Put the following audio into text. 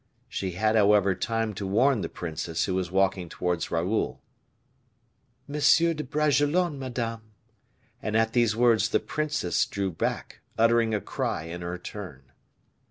She had, however, time to warn the princess, who was walking towards Raoul. "M. de Bragelonne, Madame," and at these words the princess drew back, uttering a cry in her turn.